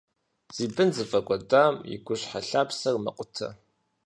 Зи бын зыфӀэкӀуэдам и гущхьэлъапсэр мэкъутэ.